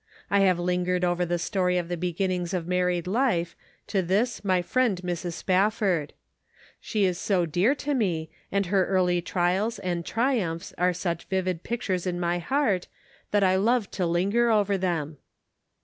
I have lingered" over the story of the beginnings of married life, to this, my friend Mrs. Spafford. She is so dear to me, and her early trials and triumphs are such vivid pictures in my heart, that I love to linger over them.